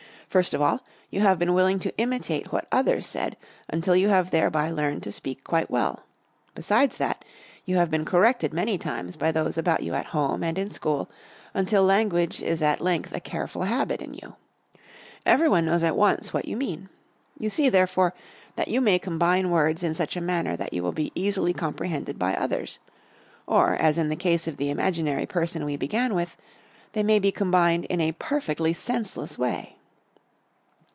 First of all, you have been willing to imitate what others said until you have thereby learned to speak quite well. Besides that, you have been corrected many times by those about you at home, and in school, until language is at length a careful habit in you. Every one knows at once what you mean. You see, therefore, that you may combine words in such a manner that you will be easily comprehended by others; or, as in the case of the imaginary person we began with, they may be combined in a perfectly senseless way.